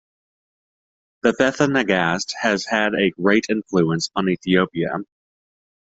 The Fetha Nagast has had a great influence on Ethiopia.